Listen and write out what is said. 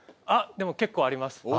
あっでも結構あります。